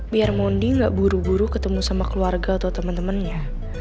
biar mondi nggak buru buru ketemu sama keluarga atau temen temennya